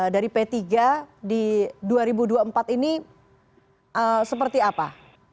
dari p tiga di dua ribu dua puluh empat ini seperti apa